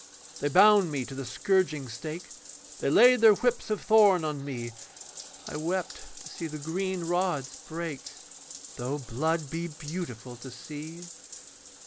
They bound me to the scourging stake, They laid their whips of thorn on me; I wept to see the green rods break, Though blood be beautiful to see.